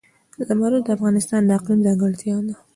زمرد د افغانستان د اقلیم ځانګړتیا ده.